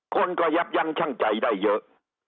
คนก็ยับยั้งชั่งใจได้เยอะ